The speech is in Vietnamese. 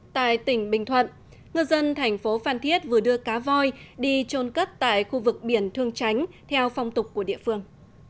tại tỉnh bình thuận ngư dân thành phố phan thiết vừa đưa cá voi đi trôn cất tại khu vực biển thương tránh theo phong tục của địa phương